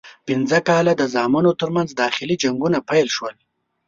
پنځه کاله د زامنو ترمنځ داخلي جنګونه پیل شول.